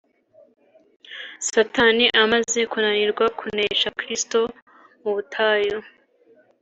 Satani amaze kunanirwa kunesha Kristo mu butayu